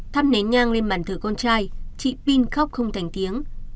thắp nến nhang lên bàn thờ con trai chị pin khóc không thành tiếng